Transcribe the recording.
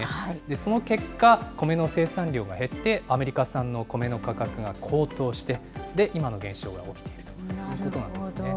その結果、コメの生産量が減ってアメリカ産のコメの価格が高騰して、今の現象が起きているということなんですね。